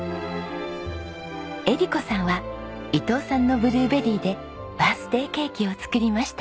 絵理子さんは伊藤さんのブルーベリーでバースデーケーキを作りました。